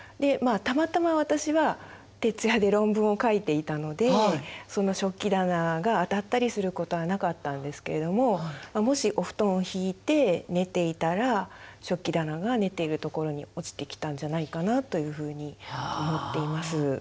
たまたま私は徹夜で論文を書いていたのでその食器棚が当たったりすることはなかったんですけれどももしお布団を敷いて寝ていたら食器棚が寝ているところに落ちてきたんじゃないかなというふうに思っています。